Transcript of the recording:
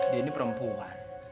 dia ini perempuan